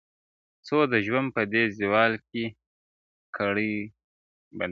o څو؛ د ژوند په دې زوال کي کړې بدل.